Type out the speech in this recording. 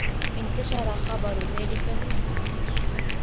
انتشر خبر ذلك هجوم.